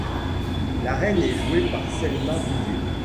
La reine est jouée par Selma Bouvier.